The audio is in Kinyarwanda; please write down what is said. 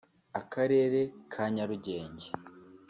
Akarere ka Nyarugenge